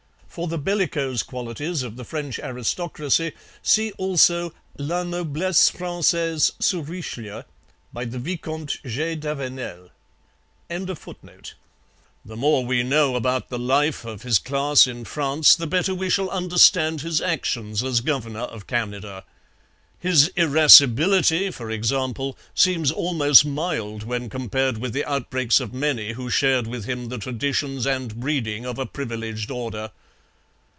For the bellicose qualities of the French aristocracy see also La Noblesse Francaise sous Richelieu by the Vicomte G. d'Avenel.] The more we know about the life of his class in France, the better we shall understand his actions as governor of Canada. His irascibility, for example, seems almost mild when compared with the outbreaks of many who shared with him the traditions and breeding of a privileged order.